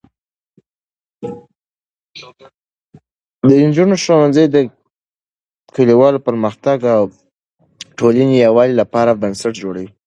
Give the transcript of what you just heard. د نجونو ښوونځی د کلیوالو پرمختګ او د ټولنې یووالي لپاره بنسټ جوړوي.